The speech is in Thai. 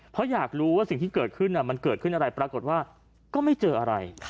เพราะอยากรู้ว่าสิ่งที่เกิดขึ้นมันเกิดขึ้นอะไรปรากฏว่าก็ไม่เจออะไร